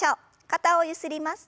肩をゆすります。